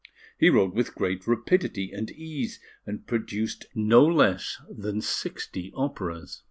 He wrote with great rapidity and ease, and produced no less than sixty operas.